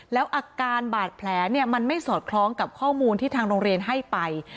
แล้วอาการบาดแผลมันไม่สอดคล้องกับข้อมูลที่ทางโรงเรียนให้ไป